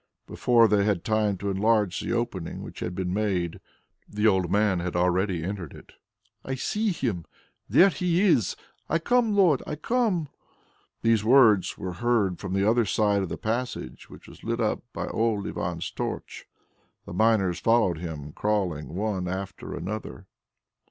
Before they had time to enlarge the opening which had been made, the old man had already entered it. "I see Him! There He is! I come, Lord. I come!" These words were heard from the other side of the passage which was lit up by old Ivan's torch. The miners followed him, crawling one after the other.